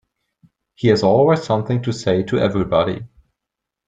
He has always something to say to everybody.